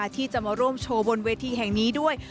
ที่จะมาร่วมโชว์บนเวทีแห่งนี้ด้วย